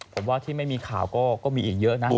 ผมว่าที่ไม่มีข่าวก็มีอีกเยอะนะ